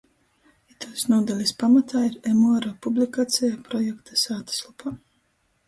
Ituos nūdalis pamatā ir emuara publikaceja projekta sātyslopā.